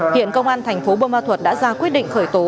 hiện công an thành phố bô ma thuật đã ra quyết định khởi tố